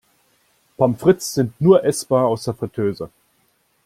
Pommes frites sind nur essbar aus der Friteuse.